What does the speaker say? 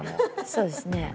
そうですね。